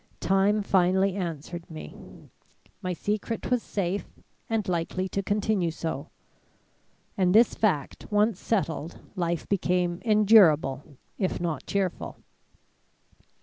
Time finally answered me. My secret was safe and likely to continue so, and this fact once settled, life became endurable, if not cheerful.